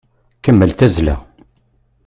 Kemmel tazzla!